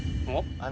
あれ。